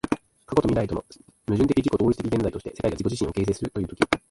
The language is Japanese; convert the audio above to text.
過去と未来との矛盾的自己同一的現在として、世界が自己自身を形成するという時